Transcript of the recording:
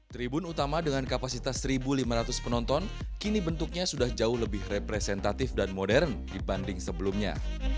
tribun utama dengan kapasitas satu lima ratus penonton kini bentuknya sudah jauh lebih representatif dan modern dibanding sebelumnya